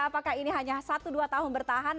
apakah ini hanya satu dua tahun bertahan